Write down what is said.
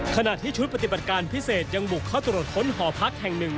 ขณะที่ชุดปฏิบัติการพิเศษยังบุกเข้าตรวจค้นหอพักแห่งหนึ่ง